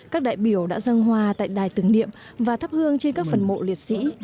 các đại biểu đã dâng hoa tại đài tưởng niệm và thắp hương trên các phần mộ liệt sĩ